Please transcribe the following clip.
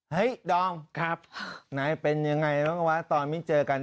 เฮ้ยดองนายเป็นอย่างไรหรือเปล่าวะตอนไม่เจอกัน